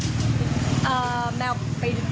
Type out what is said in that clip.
แมวไปเรื่อยมั้งอ่ะครับ